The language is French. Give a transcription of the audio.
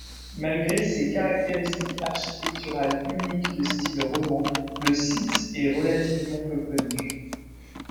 Malgré ses caractéristiques architecturales uniques de style roman, le site est relativement peu connu.